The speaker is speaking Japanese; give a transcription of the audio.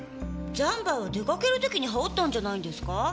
ジャンパーは出かける時に羽織ったんじゃないんですか？